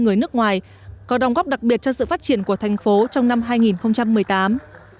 người nước ngoài có đồng góp đặc biệt cho sự phát triển của thành phố trong năm hai nghìn một mươi tám